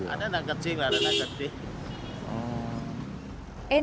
ada anak kecil ada anak gede